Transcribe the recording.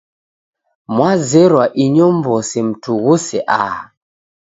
Mwazerwa inyow'ose mtughuse aha.